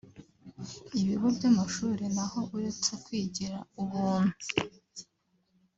Ibigo by’amashuri naho uretse kwigira ubuntu